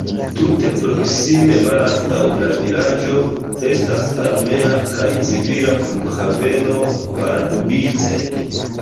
Tute proksime malantaŭ la vilaĝo estas armea kaj civila flughaveno Pardubice.